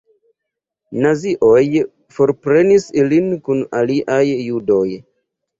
Nazioj forprenis ilin kun aliaj judoj.